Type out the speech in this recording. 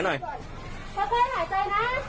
ค่อยหายใจนะ